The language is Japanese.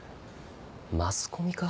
マスコミか？